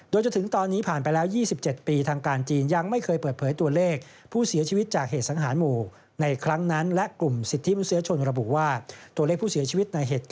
โดยเจอถึงตอนนี้